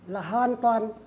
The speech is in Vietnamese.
là hoàn toàn